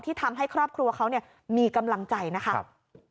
ทำให้ครอบครัวเขามีกำลังใจนะครับ